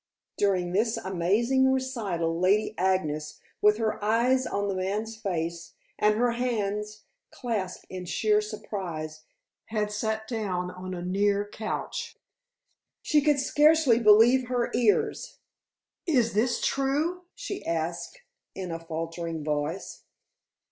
During this amazing recital, Lady Agnes, with her eyes on the man's face, and her hands clasped in sheer surprise, had sat down on a near couch. She could scarcely believe her ears. "Is this true?" she asked in a faltering voice.